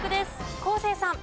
昴生さん。